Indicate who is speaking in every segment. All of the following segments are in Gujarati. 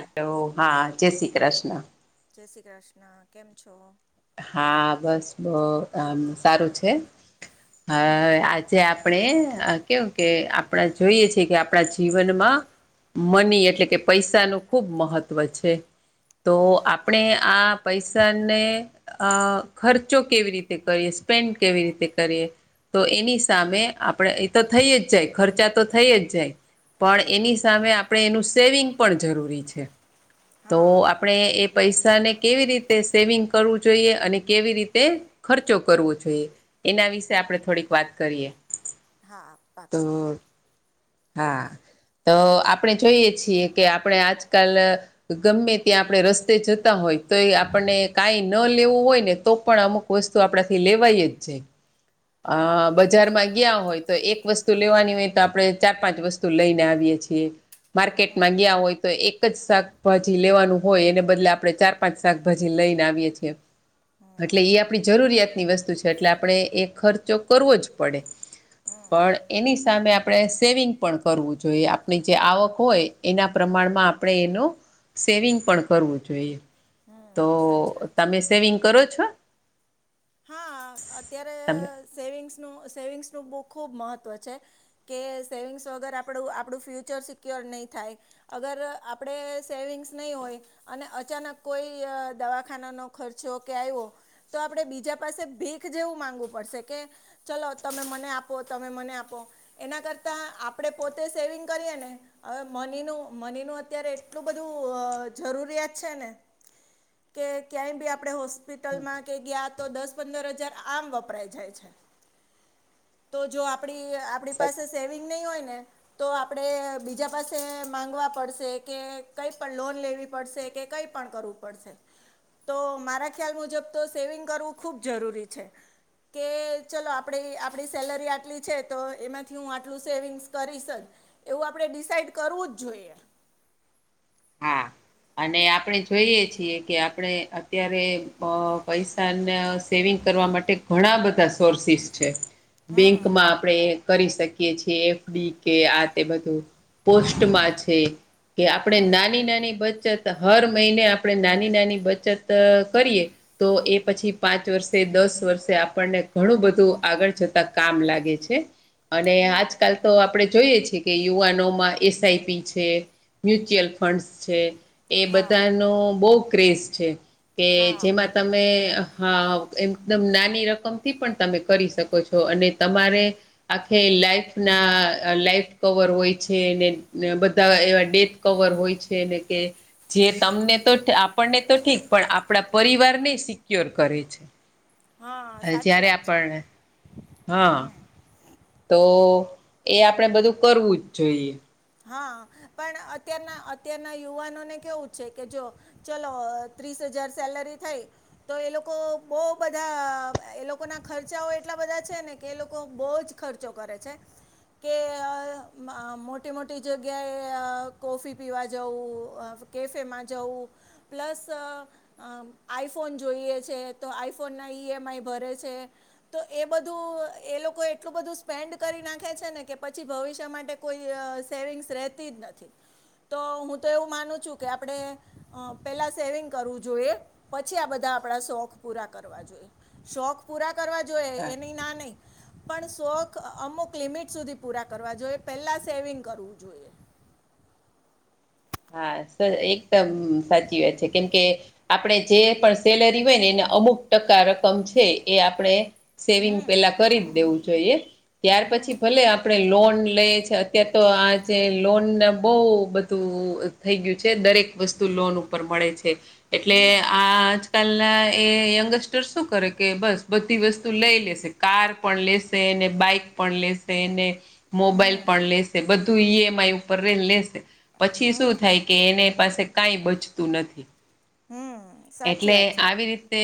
Speaker 1: હલો હા જય શ્રી કૃષ્ણ
Speaker 2: જય શ્રી કૃષ્ણ, કેમ છો?
Speaker 1: હા બસ બહ આમ સારું છે હા
Speaker 2: હમ
Speaker 1: આ જે આપણે કેવું કે આપણે જોઈએ છેએ કે આપણા જીવનમાં મની એટલે કે પૈસા નું ખુબ મહત્વ છે. તો
Speaker 2: હમ
Speaker 1: આપણે આ પૈસાને અ ખર્ચો કેવી રીતે કરીએ, સ્પેન્ડ કેવી રીતે કરીએ? તો એની સામે આપડે, એ તો થઈ જ જાય, ખર્ચા તો થઈ જ જાય. પણ એની
Speaker 2: હમ
Speaker 1: સામે આપણે એનું સેવિંગ પણ જરૂરી છે તો
Speaker 2: હા
Speaker 1: આપણે એ પૈસા ને કેવી રીતે સેવિંગ કરવું જોઈએ અને કેવી રીતે ખર્ચો કરવો જોઈએ? એના વિશે આપણે થોડીક વાત કરીએ.
Speaker 2: હા
Speaker 1: તો
Speaker 2: પાક્કુ
Speaker 1: હા તો આપણે જોઈએ છીએ કે આપણે આજકાલ ગમે ત્યાં આપણે રસ્તે જતા હોય તો એ આપણને કાંઈ ન લેવું હોય ને તો પણ અમુક વસ્તુ આપણાથી લેવાય જ છે. અ
Speaker 2: હમ
Speaker 1: બજારમાં ગયા હોય તો એક વસ્તુ વસ્તુ લેવાની હોય તો આપણે ચાર પાંચ વસ્તુ લઈ ને આવીએ છીએ માર્કેટમાં ગયા હોય તો એક જ શાક ભાજી લેવાનું હોય એને બદલે આપણે ચાર પાંચ શાકભાજી લઈને આવીએ છએ એટલે એ આપણી જરૂરિયાતની વસ્તુ છે એટલે આપણે એ ખર્ચો કરવો જ પડે
Speaker 2: હમ
Speaker 1: પણ એની સામે આપણે સેવિંગ પણ કરવું જોઈએ આપણી જે આવક હોય એના પ્રમાણમાં આપણે એનો સેવિંગ પણ કરવું જોઈએ. તો
Speaker 2: હમ સાચી વાત છે
Speaker 1: તમે સેવિંગ કરો છો?
Speaker 2: હા અત્યારે
Speaker 1: તમે
Speaker 2: સેવિંગ્સનું સેવિંગ્સનું ખૂબ ખૂબ મહત્ત્વ છે કે સેવિંગ્સ વગર આપણું આપણું ફ્યુચર સિક્યોર નહીં થાય અગર આપણેે સેવિંગ્સ નહી હોય અને અચાનક કોઈ દવાખાના નો ખર્ચો કે આવ્યો તો આપણે બીજ બીજા પાસે ભીખ જેવું માંગવું પડશે કે ચલો તમે મને આપો તમે મને આપો. એના કરતા આપણેે પોતે સેવિંગ કરીએ ને હવે મનીનું મનીનું અત્યારે એટલું બધું જરૂરિયાત છે ને કે ક્યાંય બી આપણે હોસ્પિટલમાં કે ગ્યાત તો દસ પંદર હજાર આમ વપરાય જાય છે તો જો આપડી આ આપણી પાસે સેવિંગ નહીં હોય ને તો આપડે બીજા પાસે માંગવા પડશે કે કઈ પણ લોન લેવી પડશે કે કઈ પણ કરવું પડશે તો મારા ખ્યાલ મુજબ તો સેવિંગ કરવું ખૂબ જરૂરી છે. કે ચલો આપણી આપણી સેલરી આટલી છે તો એમાંથી હું આટલું સેવિંગ્સ કરીશ. એવું આપડે ડિસાઇડ કરવું જ જોઈએ.
Speaker 1: હા અને આપણે જોઈએ છીએ કે આપણે અત્યારે અ પૈસાને સેવિંગ કરવા માટે ઘણા બધા સોર્સિસ છે.
Speaker 2: હમ
Speaker 1: બેંકમાં આપણે કરી શકીએ છીએ એફડી કે આ તે બધું
Speaker 2: હમ
Speaker 1: પોસ્ટમાં છે કે આપણે
Speaker 2: હમ
Speaker 1: ના બચત હર મહિને આપણે નાની નાની બચત કરીએ તો એ પછી પાંચ વર્ષે દસ વર્ષે આપણને ઘણું બધું આગળ જતા કામ લાગે છે. અને
Speaker 2: હમ
Speaker 1: આજકાલ તો આપણે જોઈએ છી કે યુવાનોમાં એસઆઈપી છે મ્યુચ્યુઅલ ફંડ્સ છે એ
Speaker 2: હા
Speaker 1: બધાનો બહુ ક્રેઝ છે કે
Speaker 2: હા
Speaker 1: જેમાં તમે હા એકમદમ નાની રકમથી પણ તમે કરી શકો છો અને તમારે આખે લાઈફના અ લાઈફ કવર હોય છે ને બધા એવા ડેથ કવર હોય છે ને કે જે તમને તો આપણને તો ઠીક પણ આપણા પરિવારને સિક્યોર કરે છે.
Speaker 2: હા સાચી
Speaker 1: જયારે
Speaker 2: વાત છે
Speaker 1: આપણને, હઅ તો એ આપણેે બધું કરવું જ જોઈએ.
Speaker 2: હા, પણ અત્યારના અત્યારના યુવાનોને કેવું છે કે જો ચલો, ત્રીસ હજાર સેલરી થાય તો એ લોકો બહુ બધા એ લોકોના ખર્ચાઓ એટલા બધા છે ને કે એ લોકો બહુ જ ખર્ચો કરે છે કે અ આ મો ટી મોટી જગ્યાએ અ કોફી પીવા જવું, કેફેમાં જવું, પ્લસ અ અમ આઈફોન જોઈએ છે તો આઈફોનના ઈએમઆઈ ભરે છે. તો એ બધું એ લોકો એટલું બધું સ્પેન્ડ કરી નાખે છે ને કે પછી ભવિષ્ય માટે કોઈ ય સેવિંગસ રેતીજ નથી તો હું તો એવું માનું છું કે આપણે અ પેલા સેવિંગ કરવું જોઈએ પછી આ બધા આપડા શોખ પૂરા કરવા જોઈએ. શોખ પૂરા કરવા જોઈએ એની ના નહી પણ શોખ અમુક લિમિટ સુધી પૂરા કરવા જોઈએ પેલા સેવિંગ કરવું જોઈએ.
Speaker 1: હા, સ એકદમ સાચી વાત છે કેમ કે આપણે જે પણ સેલરી હોય ને એને અમુક ટકા રકમ છે એ આપણે સેવિંગ
Speaker 2: હમ
Speaker 1: પેલા કરી જ દેવું જોઈએ ત્યાર
Speaker 2: હમ
Speaker 1: પછી ભલે આપણે લોન લઈ શ કીએ તો આ જેે લોનને બહુ બધું થઈ ગયું છે દરેક વસ્તુ લોન ઉપર મળે છે એટલે
Speaker 2: હમ
Speaker 1: આ આજકાલના એ યંગસ્ટ ર શું કરે કે બસ બ ધી વસ્તુ લઈ લેશે. કાર પણ લેશે ને બાઈક પણ લેશે ને મોબાઈલ
Speaker 2: હમ
Speaker 1: પણ લેશે બધું ઈએમઆઈ ઉપર લેશે પછી શું
Speaker 2: હમ
Speaker 1: થાય કે એ ને પાસે કાંઇ બચતું નથી.
Speaker 2: હમ સાચી
Speaker 1: એટલે
Speaker 2: વાત છે
Speaker 1: આવી
Speaker 2: હમ
Speaker 1: રીતે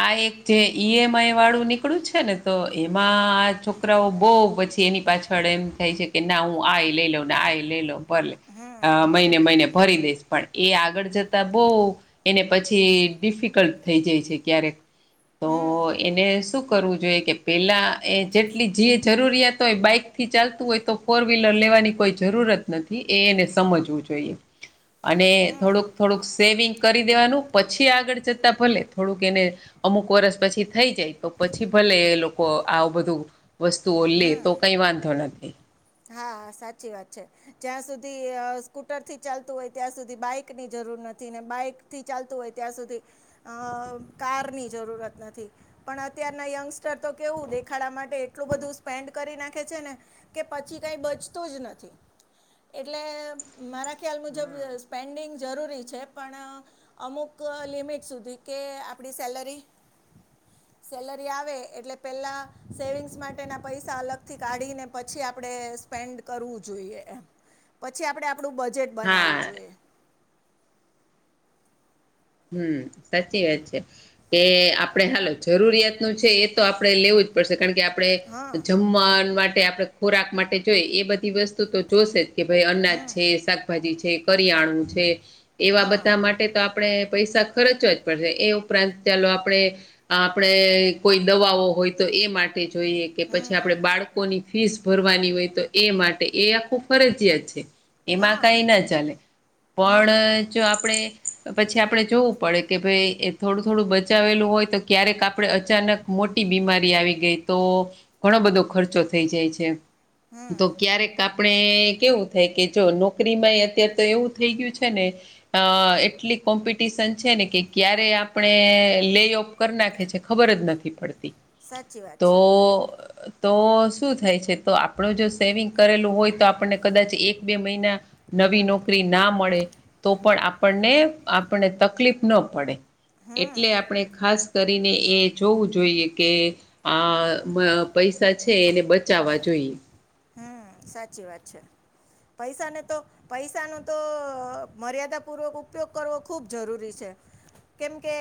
Speaker 1: આ એક જે ઈએમઆઈ વાળું નીકળ્યું છે ને તો એમાં આ છોકરાઓ બહું પછી એની પાછળ એમ થાય છે કે ના હું આ એ લઈ લઉ ને, આ એ લઈ લઉ ભલે મહિને મહિને ભરી દઈશ પણ એ આગળ જતા બહ એને પ છી ડિફિકલ્ટ થઈ જાય છે ક્યારેક તો એને શું કરવું જોઈએ કે પેલા એ જેટલી જે જરૂરિયાત હોય બાઈક થી ચાલતું હોય તો ફોર વ્હીલર લેવાની કોઈ જરૂરત નથી એ એને સમજવું જોઈએ. અને થોડુંક થોડુંક સેવિંગ કરી દેવાનું પછી આગળ જતાં ભલે થોડુંક એને અમુક વરષ પછી થઈ જાય તો પછી ભલે એ લોકો આ બધું વસ્તુઓ લે તો કંઈ વાંધો નથી.
Speaker 2: હા, હા સાચી વાત છે. જ્યાં સુધી સ્કૂટરથી ચાલતું હોય ત્યાં સુધી બાઈકની જરૂર નથી ને બાઈક થી ચાલતું હોય ત્યાં સુધી અ અ કારની જરૂરત નથી. પણ અત્યારના યંગસ્ટર તો કેવું દેખાડા માટે એટલું બધું સ્ પેન્ડ કરી નાખે છે ને કે પછી કઈ બચતું જ નથી. એટલે મારા ખ્યાલ મુજબ સ્પેન્ડિંગ જરૂરી છે પણ અમુક લિમિટ સુધી કે આપણી સેલરી સેલરી આવે એટલે પેલા સેવિંગ્સ માટેના પૈસા અલગથી કાઢીને પછી આપણે સ્પેન્ડ કરવું જોઈએ એમ પછી આપડે આપણું બજેટ બનાવવું
Speaker 1: હા
Speaker 2: જોઈએ.
Speaker 1: હમ્મ, સાચી વાત છે. એ આપણે હાલો જરૂરિયાતનું છે એ તો આપડે લેવું જ પડશે કારણ કે આપણે
Speaker 2: હા
Speaker 1: જમ વાન માટે આપણે ખોરાક માટે જોઈએ એ બ ધી વસ્તુ તો જોશેજ કે ભાઈ અનાજ
Speaker 2: હમ
Speaker 1: છે, શાકભાજી છે, કરિયાણું છે. એવા
Speaker 2: હા
Speaker 1: બધા માટે તો આપણે પૈસા ખર્ચવા જ પડશે એ ઉપરાંત ચાલો આપણે આપડે કોઈ દવાઓ હોય તો એ માટે જોઈએ કે પછી આપડણે બાળકોની ફીસ ભરવાની હોય તો એ માટે એ આખું ફરજિયાત છે. એમાં
Speaker 2: હા
Speaker 1: કઈ ના ચાલે
Speaker 2: હમ
Speaker 1: પણ જો આપણેે પછી આપણે જોવું પડે કે ભાઈ એ થોડું થોડું બચાવેલું હોય તો ક્યારેક આપણેે અચાનક મોટી બીમારી આવી ગઈ તો ઘણો બધો ખર્ચો થઈ જાય છે. તો ક્યારેક આપણે કેવું થાય કે જો નોકરીમાં એ અત્યારે તો એવું થઈ ગયુ છેને. અ એટલી કોમ્પિટિશન છે ને કે ક્યારે આપણે લે ઓફ કરી નાખે છે, ખબર જ નથી પડતી
Speaker 2: સાચી વાત
Speaker 1: તો
Speaker 2: છે
Speaker 1: તો શું થાય છે તો આપણો જો સેવિંગ કરેલું હોય તો આપણને કદાચ એક બે મહિના નવી નોકરી ના મળે તો પણ આપણને આપણને તકલીફ ન પડે એટલે આપણે ખાસ કરીને એ જોવું જોઈએ કે આ પૈસા છે એને બચાવવા જોઈએ.
Speaker 2: હમ સાચી વાત છે પૈસાને તો પૈસાનો તો મર્યાદા પૂર્વક ઉપયોગ કરવો ખૂબ જરૂરી છે. કેમ કે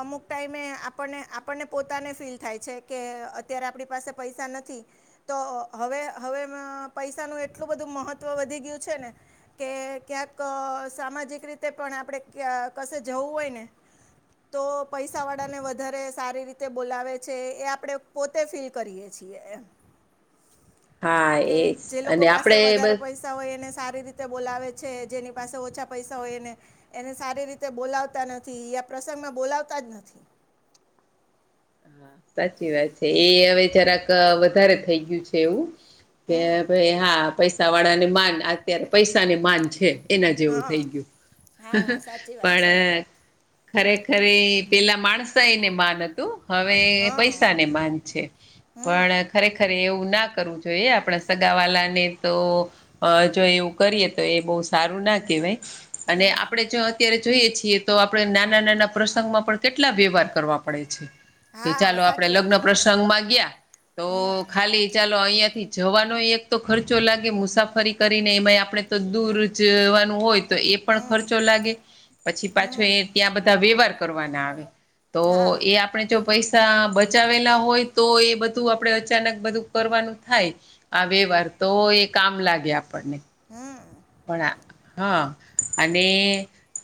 Speaker 2: અમુક ટાઈમે આપને આપણને પોતાને ફીલ થાય છે. કે અત્યારે આપણી પાસે પૈસા નથી તો હવે- - હવે પૈસાનું એટલું બધું મહત્વ વધી ગયું છેને. કે ક્યાંક સામાજિક રીતે પણ આપણે કશે જવું હોય ને તો પૈસાવાળાને વધારે સારી રીતે બોલાવે છે એ આપણે પોતે ફીલ કરીએ છીએ એમ
Speaker 1: હા
Speaker 2: કે
Speaker 1: એજ
Speaker 2: જે લોકો
Speaker 1: અને
Speaker 2: પાસે
Speaker 1: આપડે
Speaker 2: વધારે
Speaker 1: બસ
Speaker 2: પૈસા પૈસા હોય એને સારી રીતે બોલાવે છે જેની પાસે ઓછા પૈસા હોય એને એને સારી રીતે બોલાવતા નથી યા પ્રસંગમાં બોલાવતા જ નથી.
Speaker 1: હા સાચી વાત છે એ હવે જરાક વધારે થઈ ગયું છે એવુ કે
Speaker 2: હમ
Speaker 1: ભાઈ હા પૈસા વાળા ની માન અત્યારે પૈસાની માન છે એના જેવું
Speaker 2: હા
Speaker 1: થઈ ગયુ,
Speaker 2: હા સાચી વાત છે
Speaker 1: પણ ખરેખર પેલા માણસ એને માન હતુ. હવે
Speaker 2: હા
Speaker 1: પૈસાને માન છે
Speaker 2: હમ
Speaker 1: પણ ખરેખર એવું ના કરવું જોઈએ આપણે સગા વાલાને તો જો એવું કરીએ તો એ બહ સારું ના કહેવાય અને આપણેે જો અત્યારે જોઈએ છીએ તો આપણે નાના નાના પ્રસંગમાં પણ કેટલા વ્યવહાર કરવા પડે છે. કે
Speaker 2: હા
Speaker 1: ચાલો આપડણે
Speaker 2: સાચી વાત
Speaker 1: લગ્ન
Speaker 2: છે
Speaker 1: પ્રસંગ માં ગયા તો
Speaker 2: હમ
Speaker 1: ખાલી ચાલો અહિયાં થી જવાનો એક તો ખર્ચો લાગે મુસાફરી કરીને એમાંય આપણે તો દૂર જવાનું હોય. તો એ પણ
Speaker 2: હમ
Speaker 1: ખર્ચો લાગે પછી પાછો
Speaker 2: હમ
Speaker 1: એ ત્યાં બધા વ્યવહાર કરવાના આવે તો
Speaker 2: હા
Speaker 1: એ આપ જો પૈસા બચાવેલા હોય તો એ બધું આપડે અચાનક બધું કરવાનું થાય. આવે વાર તો એ કામ લાગે આપણને
Speaker 2: હા.
Speaker 1: પણ હા અને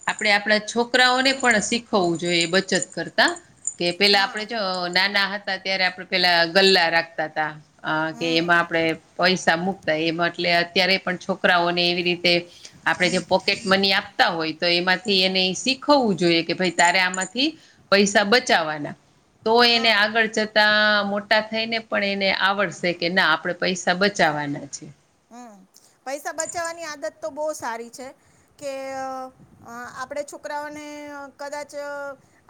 Speaker 1: આપડણે આપણા છોકરાઓને પણ શીખવવું જોઈએ એ બચત કરતી. કે પેલા
Speaker 2: હા
Speaker 1: આપડે જો નાના હતા ત્યારે આપડ પેલા ગલ્લા રાખતા હતા. અ કે એમાં
Speaker 2: હમ
Speaker 1: આપણે પૈસા મૂકતા એમાં એટલે અત્યારે પણ છોકરાઓને એવી રીતે આપણે જે પોકેટ મની આપતા હોય તો એમાંથી એને શીખવવું જોઈએ કે ભાઈ તારે આમાંથી. પૈસા બચાવવાના તો એને
Speaker 2: હા
Speaker 1: આગળ ત મોટા થઈ ને પણ એને આવડશે કે ના આપણેે પૈસા બચાવવાના છે.
Speaker 2: હમ પૈસા બચાવવાની આદત તો બહુ સારી છે, કે અ આપડે છોકરાઓને કદાચ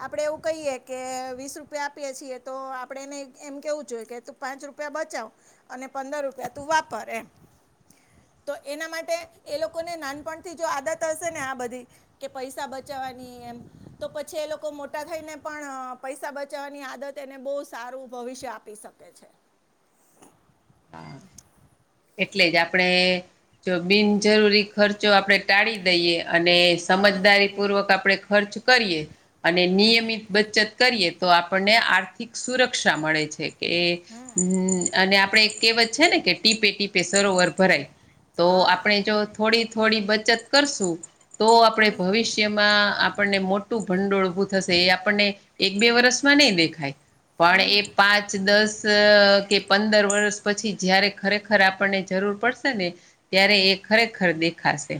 Speaker 2: આપડે એવું કહીએ કે વીસ રૂપિયા આપીએ છીએ તો આપડે એને એમ કેવું જોઈએ કે પાંચ રૂપિયા બચાવ અને પંદર રૂપિયા તું વાપર એમ તો એના માટે એ લોકોને નાનપણથી જો આદત હશે ને આ બધી કે પૈસા બચાવવાની એમ તો પછી એ લોકો મોટા થઈને પણ પૈસા બચાવવાની આદત તેને બહુ સારું ભવિષ્ય આપી શકે છે.
Speaker 1: હા એટલે જ આપડે જો બિનજરૂરી ખર્ચો આપણે ટાળી દઈએ અને
Speaker 2: હા
Speaker 1: સમજદારી પૂર્વક આપણેે ખર્ચ કરીએ અને
Speaker 2: હમ
Speaker 1: નિયમિત બચત કરીએ તો આપણને આર્થિક સુરક્ષા મળે છે કે
Speaker 2: હમ
Speaker 1: હ અને આપણે કેવત છે ને કે ટીપે ટીપે સરોવર ભરાય તો
Speaker 2: હા
Speaker 1: આપણે જો થોડી થોડી બચત કરશું તો આપણેે
Speaker 2: હમ
Speaker 1: ભવિષ્ય માં આપણને મોટું ભંડોળ ઉભું થશે એ આપણને એક બે વર્ષમાં નહી દેખાય પણ એ
Speaker 2: હમ
Speaker 1: પાંચ દસ કે પંદર વર્ષ પછી જયારે ખરેખર આપણને જરૂર પડશે ને ત્યારે એ ખરેખર દેખાશે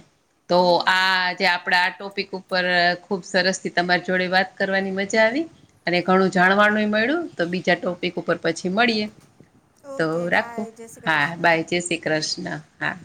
Speaker 1: તો
Speaker 2: હમ
Speaker 1: આ જે આપડા આ ટોપિક ઉપર ખુબ સરસ થી તમારી જોડે વાત કરવાની મજા આવી અને ઘણું જાણવાનું મળ્યું તો બીજા ટોપિક ઉપર પછી મળીએ. તો
Speaker 2: ઓકે
Speaker 1: રાખો
Speaker 2: બાય જય શ્રી
Speaker 1: હા
Speaker 2: કૃષ્ણ
Speaker 1: બાય જય શ્રી કૃષ્ણ હા